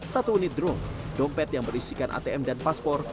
satu unit drone dompet yang berisikan atm dan paspor